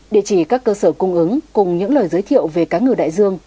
địa chỉ các cơ sở cung ứng cùng những lời giới thiệu về cá ngừ đại dương